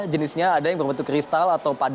jenisnya ada yang berbentuk kristal